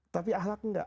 tapi ahlak tidak